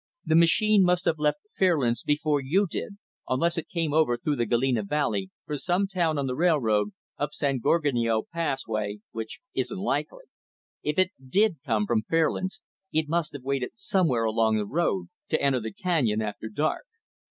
The machine must have left Fairlands before you did, unless it came over through the Galena Valley, from some town on the railroad, up San Gorgonio Pass way which isn't likely. If it did come from Fairlands, it must have waited somewhere along the road, to enter the canyon after dark.